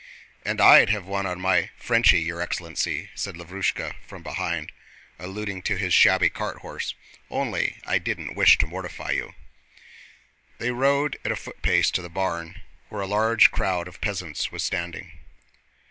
"And I'd have won on my Frenchy, your excellency," said Lavrúshka from behind, alluding to his shabby cart horse, "only I didn't wish to mortify you." They rode at a footpace to the barn, where a large crowd of peasants was standing.